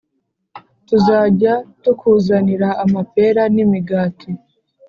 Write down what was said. Tuzajya tukuzanira amapera n’imigati.